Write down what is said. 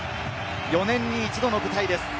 ４年に一度の舞台です。